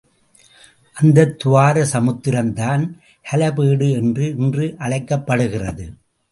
அந்தத் துவாரசமுத்திரம் தான் ஹலபேடு என்று இன்று அழைக்கப்படுகிறது.